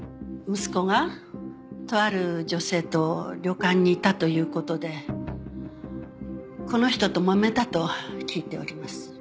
息子がとある女性と旅館にいたという事でこの人ともめたと聞いております。